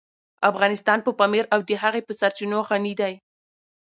افغانستان په پامیر او د هغې په سرچینو غني دی.